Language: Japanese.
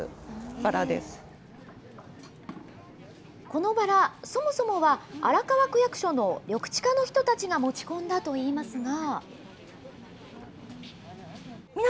このバラ、そもそもは荒川区役所の緑地課の人たちが持ち込んだといいますが。